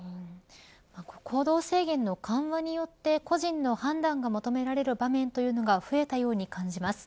行動制限の緩和によって個人の判断が求められる場面というのが増えたように感じます。